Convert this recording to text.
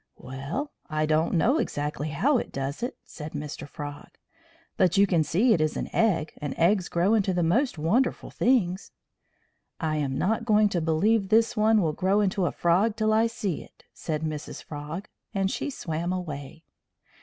"Well, I don't know exactly how it does it," said Mr. Frog, "but you can see it is an egg, and eggs grow into the most wonderful things." "I am not going to believe this one will grow into a frog till I see it," said Mrs. Frog; and she swam away.